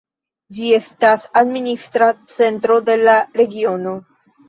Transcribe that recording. Ĝi estas administra centro de la regiono.